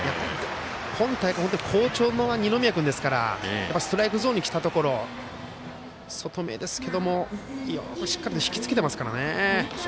今大会、好調の二宮君ですからストライクゾーンにきたところ外めですけどしっかりと引きつけてますからね。